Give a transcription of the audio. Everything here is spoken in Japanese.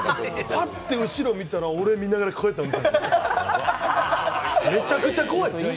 パッと後ろ見たら俺、見ながらこうやって飲んでた。